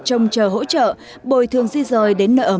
trong chờ hỗ trợ bồi thường di rời